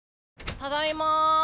ただいま。